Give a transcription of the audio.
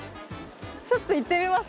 ちょっと行ってみます